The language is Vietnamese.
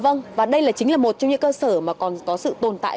vâng và đây chính là một trong những cơ sở mà còn có sự tồn tại